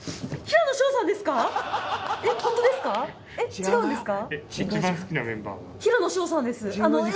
違うんですか？